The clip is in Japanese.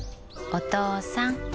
お父さん。